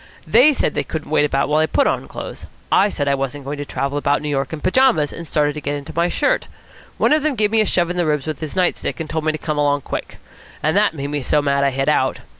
They said they couldn't wait about while I put on clothes. I said I wasn't going to travel about New York in pyjamas, and started to get into my shirt. One of them gave me a shove in the ribs with his night stick, and told me to come along quick. And that made me so mad I hit out."